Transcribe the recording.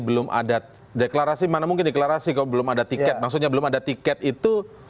belum ada deklarasi mana mungkin deklarasi kok belum ada tiket maksudnya belum ada tiket itu